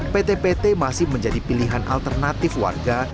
pt pt masih menjadi pilihan alternatif warga